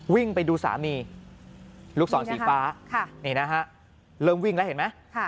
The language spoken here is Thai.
วิ่งไปดูสามีลูกศรสีฟ้านี่นะฮะเริ่มวิ่งแล้วเห็นไหม